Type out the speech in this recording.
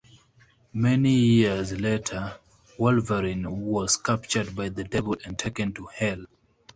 Many years later, Wolverine was captured by the Devil and taken to Hell.